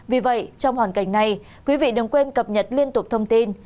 vì vậy trong hoàn cảnh này quý vị đừng quên cập nhật liên tục thông tin